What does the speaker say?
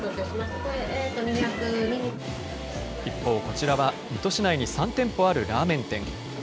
一方、こちらは水戸市内に３店舗あるラーメン店。